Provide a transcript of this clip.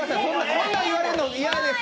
こんなん言われるの嫌です。